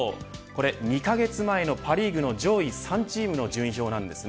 これ２カ月前のパ・リーグの上位３チームの順位表です。